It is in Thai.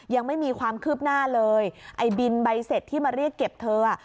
ยังไม่มีความคืบหน้าเลยไอ้บินใบเสร็จที่มาเรียกเก็บเธออ่ะ